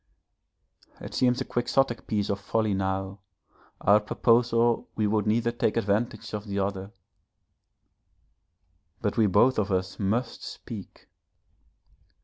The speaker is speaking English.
_ It seems a Quixotic piece of folly now, our proposal we would neither take advantage of the other, but we both of us must speak.